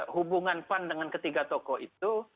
hubungan pan dengan ketiga tokoh itu